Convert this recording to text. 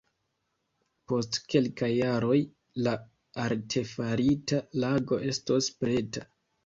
Post kelkaj jaroj la artefarita lago estos preta.